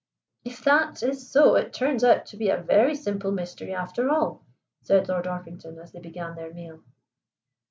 "If that is so it turns out to be a very simple mystery after all," said Lord Orpington as they began their meal.